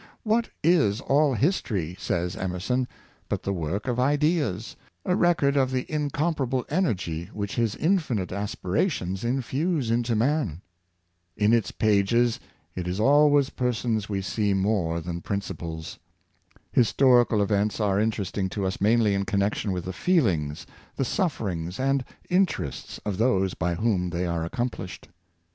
" What is all his tory," says Emerson, " but the work of ideas, a record of the incomparable energy which his infinite aspira tions infuse into man.^ " In its pages it is always per sons we see more than principles. Historical events are interesting to us mainly in connection with the feelings, the sufferings, and interests of those by whom they are accomplished.